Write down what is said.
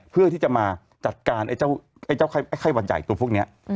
เพื่อที่จะมาจัดการไอ้เจ้าไข้หวัดใหญ่ตัวพวกนี้